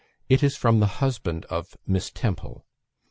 It is from the husband of "Miss Temple."